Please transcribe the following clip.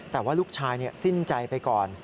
แต่ว่าลูกชายสิ้นใจไปก่อน